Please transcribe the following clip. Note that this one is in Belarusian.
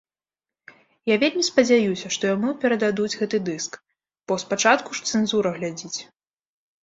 Я вельмі спадзяюся, што яму перададуць гэты дыск, бо спачатку ж цэнзура глядзіць.